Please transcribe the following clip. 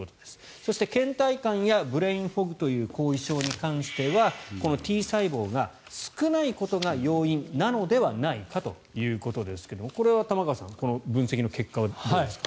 そしてけん怠感やブレインフォグという後遺症に関してはこのＴ細胞が少ないことが要因なのではないかということですがこれは玉川さんこの分析の結果はどうですか？